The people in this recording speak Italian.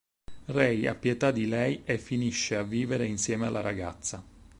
Ray ha pietà di lei e finisce a vivere insieme alla ragazza.